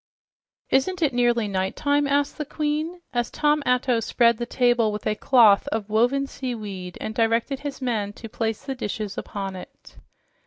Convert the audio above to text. "Isn't it nearly nighttime?" asked the Queen as Tom Atto spread the table with a cloth of woven seaweed and directed his men to place the dishes upon it.